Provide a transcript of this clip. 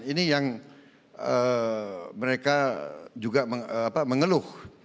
ini yang mereka juga mengeluh